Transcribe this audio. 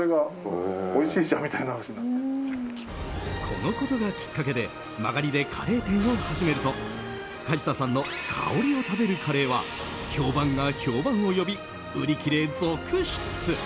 このことがきっかけで間借りでカレー店を始めると梶田さんの香りを食べるカレーは評判が評判を呼び売り切れ続出。